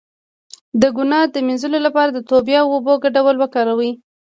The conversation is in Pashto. د ګناه د مینځلو لپاره د توبې او اوبو ګډول وکاروئ